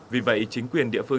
vì vậy chính quyền địa phương